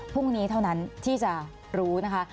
พรุ่งนี้เท่านั้นที่จะรู้นะคะ